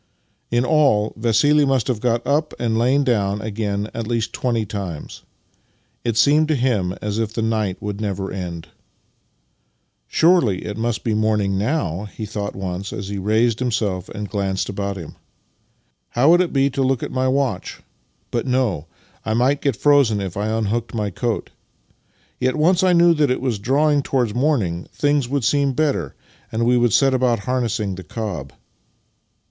In all, Vassili must have got up and lain down again at least twenty times. It seemed to him as if the night would never end. " Surely it must be nearly morning now? " he thought once as he raised himself and glanced about him. " How would it be to look at my watch? But no; I might get frozen if I unhooked my coat. Yet, once I knew that it was drawing towards morning, things would seem better, and we would set about harnessing the cob."